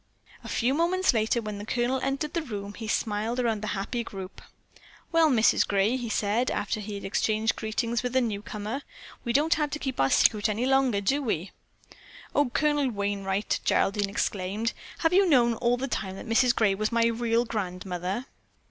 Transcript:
A few moments later when the Colonel entered the room he smiled around at the happy group. "Well, Mrs. Gray," he said after he had exchanged greetings with the newcomer, "we don't have to keep our secret any longer, do we?" "Oh, Colonel Wainright," Geraldine exclaimed, "have you known all the time that Mrs. Gray was my real grandmother?"